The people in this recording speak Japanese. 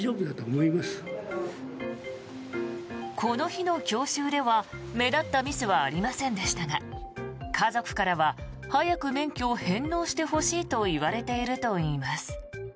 この日の教習では目立ったミスはありませんでしたが家族からは早く免許を返納してほしいと言われているといいます。